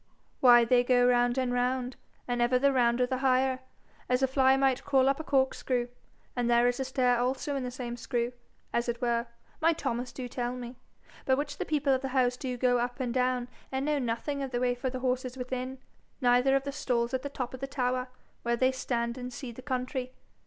'Why, they go round and round, and ever the rounder the higher, as a fly might crawl up a corkscrew. And there is a stair also in the same screw, as it were, my Thomas do tell me, by which the people of the house do go up and down, and know nothing of the way for the horses within, neither of the stalls at the top of the tower, where they stand and see the country.